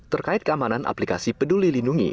terkait keamanan aplikasi peduli lindungi